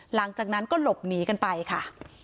หลังจากนั้นก็หลบหนีกันไปค่ะ